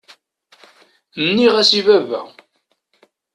Nniɣ-as i baba.